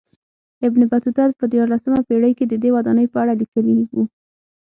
ابن بطوطه په دیارلسمه پېړۍ کې ددې ودانۍ په اړه لیکلي و.